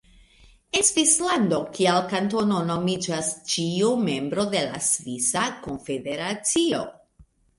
En Svislando kiel kantono nomiĝas ĉiu membro de la Svisa Konfederacio.